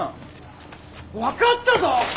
分かったぞ！